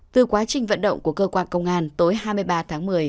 từ quá trình vận động của cơ quan công an tối hai mươi ba tháng một mươi